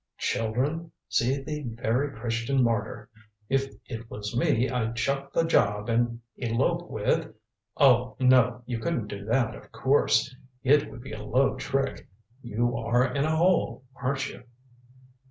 "Children, see the very Christian martyr! If it was me I'd chuck the job and elope with oh, no, you couldn't do that, of course. It would be a low trick. You are in a hole, aren't you?"